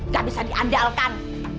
gak bisa diandalkan